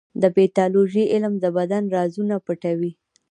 د پیتالوژي علم د بدن رازونه پټوي.